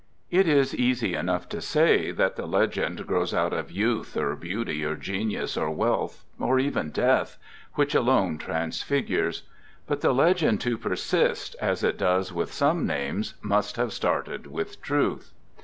It is easy enough to say that the " legend " grows out of youth or beauty or genius or wealth or even death, which alone transfigures. But the legend to persist, as it does with some names, must have started with truth.